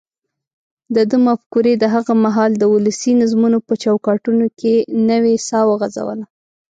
دده مفکورې د هغه مهال د ولسي نظمونو په چوکاټونو کې نوې ساه وغځوله.